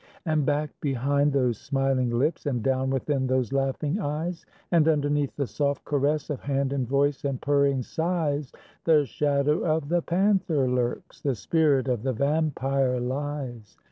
And back behind those smiling lips, And down within those laughing eyes, And underneath the soft caress Of hand and voice and purring sighs, The shadow of the panther lurks, The spirit of the vampire lies.